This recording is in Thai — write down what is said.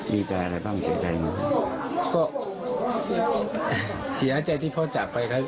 ดีใจอะไรบ้างเสียใจมั้ยครับก็เสียใจที่พ่อจับไปครับ